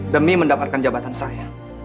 demi mendapatkan jabatan saya